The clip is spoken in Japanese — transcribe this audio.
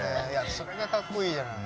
それがかっこいいじゃない。